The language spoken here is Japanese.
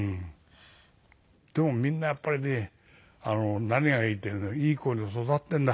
でもみんなやっぱりね何がいいっていい子に育ってんだ。